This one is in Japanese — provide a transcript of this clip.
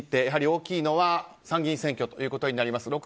やはり大きいのは参議院選挙ということになります。